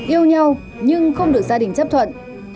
yêu nhau nhưng không được gia đình chấp thuận